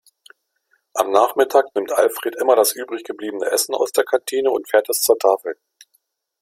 Am Nachmittag nimmt Alfred immer das übrig gebliebene Essen aus der Kantine und fährt es zur Tafel.